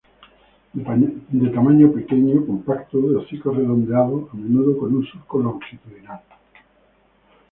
De tamaño pequeño, compacto, de hocico redondeado, a menudo con un surco longitudinal.